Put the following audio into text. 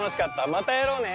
またやろうね！